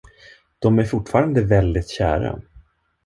De är fortfarande väldigt kära.